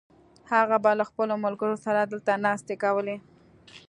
هغه به له خپلو ملګرو سره دلته ناستې کولې.